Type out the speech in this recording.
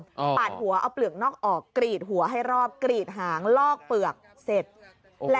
ปาดหัวเอาเปลือกนอกออกกรีดหัวให้รอบกรีดหางลอกเปลือกเสร็จ